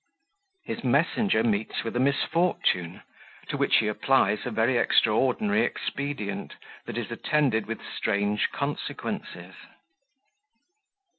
His Messenger meets with a Misfortune, to which he applies a very extraordinary Expedient that is attended with strange Consequences.